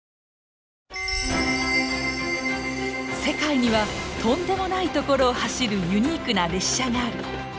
世界にはとんでもない所を走るユニークな列車がある！